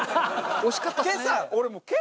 惜しかったっすね。